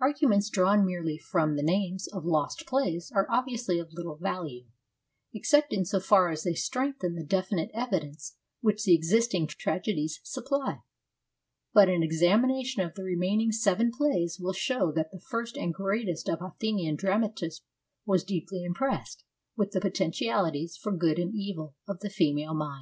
Arguments drawn merely from the names of lost plays are obviously of little value, except in so far as they strengthen the definite evidence which the existing tragedies supply, but an examination of the remaining seven plays will show that the first and greatest of Athenian dramatists was deeply impressed with the potentialities for good and evil of the femal